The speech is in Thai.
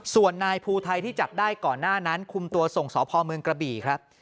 ส่วนนายภูไทยที่จับได้ก่อนหน้านั้นคุมตัวส่งสพเมืองกระบี่ครับ